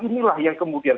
inilah yang kemudian